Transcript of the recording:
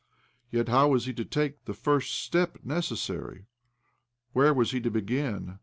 Yet how was he to take the first step necessary ? Where was he to begin